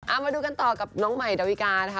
เอามาดูกันต่อกับน้องใหม่ดาวิกานะคะ